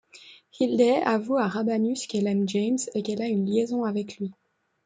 Hilde avoue à Rabanus qu'elle aime James et qu'elle a une liaison avec lui.